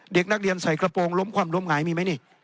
เด็กนักเรียนใส่กระโปรงล้มความล้มหงายมีไหมนี่